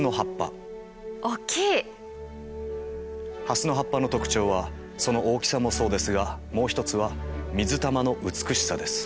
ハスの葉っぱの特徴はその大きさもそうですがもう一つは水玉の美しさです。